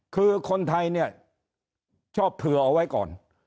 คือคนไทยเนี่ยชอบเผื่อเอาไว้ก่อน